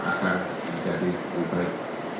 akan menjadi baik